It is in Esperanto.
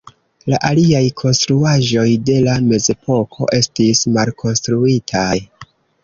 La aliaj konstruaĵoj de la Mezepoko estis malkonstruitaj.